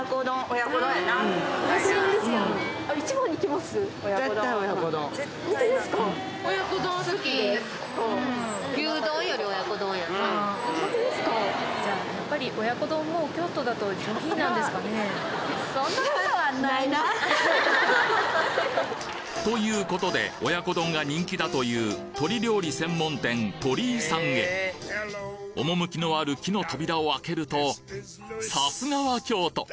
まずは府民ほんとですか！ということで親子丼が人気だという鶏料理専門店趣のある木の扉をあけるとさすがは京都！